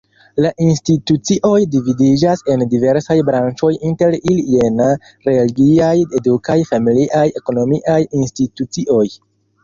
La institucioj dividiĝas en diversaj branĉoj inter ili jena: religiaj, edukaj, familiaj, ekonomiaj institucioj.